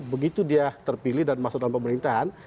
begitu dia terpilih dan masuk dalam pemerintahan